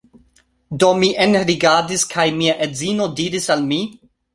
Do, mi enrigardis kaj mia edzino diris al mi